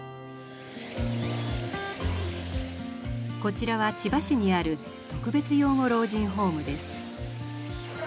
こちらは千葉市にある特別養護老人ホームです。